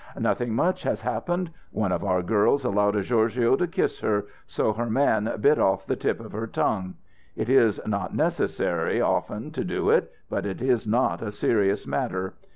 "Nothing much has happened. One of our girls allowed a gorgio to kiss her, so her man bit off the tip of her tongue. It is not necessary, often, to do it, but it is not a serious matter.